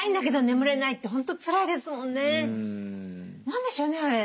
何でしょうねあれ。